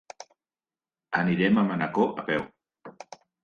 Anirem a Manacor a peu.